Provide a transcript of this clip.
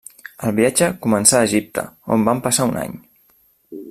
El viatge començà a Egipte, on van passar un any.